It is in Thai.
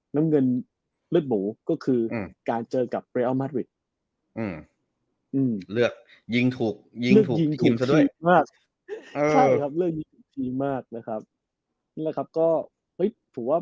น้ำเงินเลือดหมูก็คือการเจอกับริวิตเลือกยิงถูกยิงถูกที่คลิมซะด้วย